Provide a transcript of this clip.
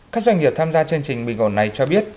các doanh nghiệp tham gia chương trình bình ổn này cho biết